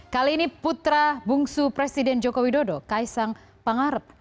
kali ini putra bungsu presiden joko widodo kaisang pangarep